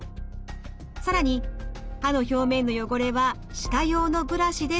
更に歯の表面の汚れは歯科用のブラシで清掃。